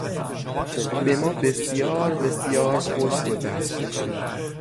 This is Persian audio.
به ما بسیار بسیار خوش گذشت.